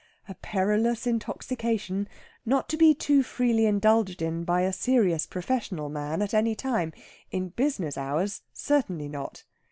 A perilous intoxication, not to be too freely indulged in by a serious professional man at any time in business hours certainly not.